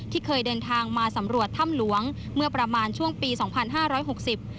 ที่เคยเดินทางมาสำรวจถ้ำหลวงเมื่อประมาณช่วงปีสองพันห้าร้อยหกสิบ